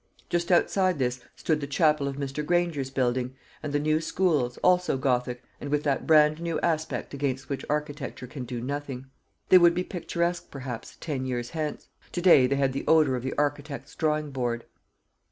Just outside this stood the chapel of Mr. Granger's building, and the new schools, also gothic, and with that bran new aspect against which architecture can do nothing. They would be picturesque, perhaps, ten years hence. To day they had the odour of the architect's drawing board.